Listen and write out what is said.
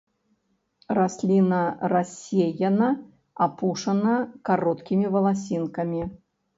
Расліна рассеяна апушана кароткімі валасінкамі.